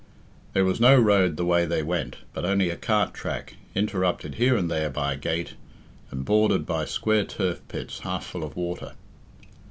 There was no road the way they went, but only a cart track, interrupted here and there by a gate, and bordered by square turf pits half full of water.